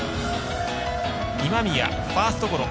今宮、ファーストゴロ。